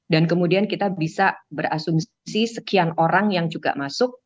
dan kemudian kita bisa berasumsi sekian orang yang juga masuk